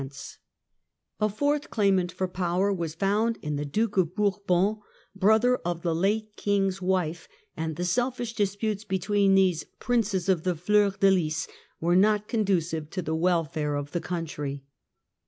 203 204 THE END OF THE MIDDLE AGE A fourth claimant for power was found in the Duke of Bourbon, brother of the late King's wife, and the selfish disputes between these " Princes of the Fleur de Lys" were not conducive to the welfare of the country.